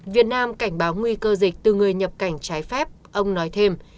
việt nam cảnh báo nguy cơ dịch từ người nhập cảnh trái phép ông nói thêm